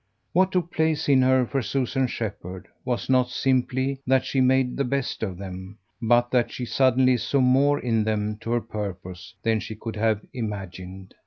What took place in her for Susan Shepherd was not simply that she made the best of them, but that she suddenly saw more in them to her purpose than she could have imagined.